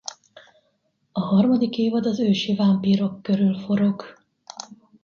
A harmadik évad az ősi vámpírok körül forog.